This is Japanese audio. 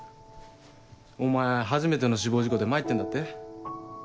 お前初めての死亡事故で参ってんだって？